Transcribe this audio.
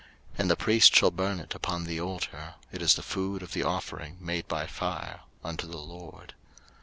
03:003:011 And the priest shall burn it upon the altar: it is the food of the offering made by fire unto the LORD.